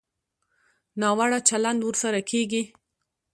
ناوړه چلند ورسره کېږي.